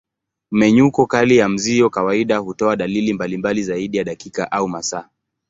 Mmenyuko kali ya mzio kawaida hutoa dalili mbalimbali zaidi ya dakika au masaa.